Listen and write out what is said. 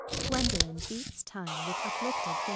[Gwendolen beats time with uplifted finger.